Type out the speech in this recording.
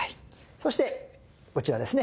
そしてこちらですね